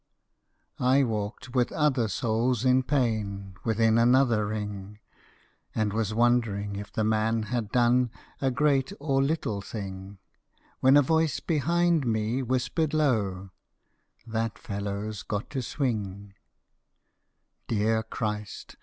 I walked, with other souls in pain, Within another ring, And was wondering if the man had done A great or little thing, When a voice behind me whispered low, â_That fellowâs got to swing_.â Dear Christ!